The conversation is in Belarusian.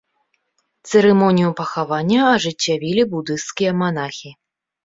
Цырымонію пахавання ажыццявілі будысцкія манахі.